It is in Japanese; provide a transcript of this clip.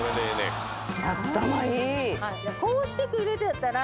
こうしてくれてたら。